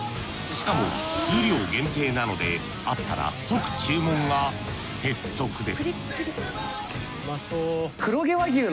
しかも数量限定なのであったら即注文が鉄則です